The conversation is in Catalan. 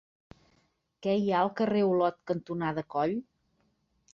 Què hi ha al carrer Olot cantonada Coll?